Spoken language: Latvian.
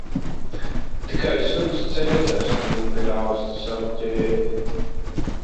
Tikai suns Cēzars nikni rausta savu ķēdi.